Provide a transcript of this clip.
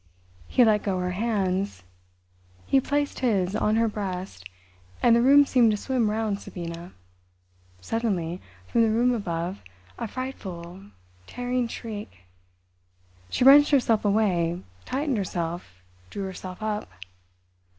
He let go her hands, he placed his on her breasts, and the room seemed to swim round Sabina. Suddenly, from the room above, a frightful, tearing shriek. She wrenched herself away, tightened herself, drew herself up.